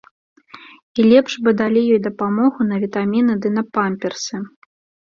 І лепш бы далі ёй дапамогу на вітаміны ды на памперсы.